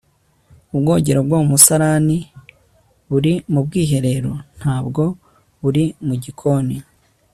ubwogero bwo mu musarani buri mu bwiherero, ntabwo buri mu gikoni